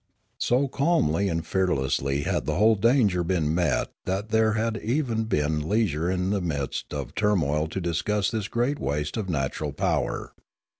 So calmly and fearlessly had the whole danger been met that there had even been leisure in the midst of the turmoil to discuss this great waste of natural power.